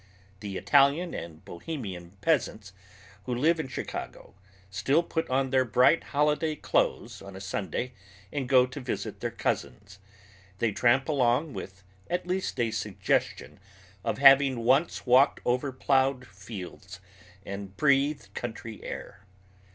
The Italian and Bohemian peasants who live in Chicago still put on their bright holiday clothes on a Sunday and go to visit their cousins. They tramp along with at least a suggestion of having once walked over plowed fields and breathed country air.